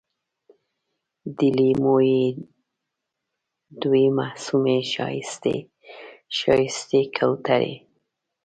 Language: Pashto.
د لېمو یې دوې معصومې ښایستې، ښایستې کوترې